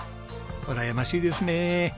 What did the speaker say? うらやましいですね。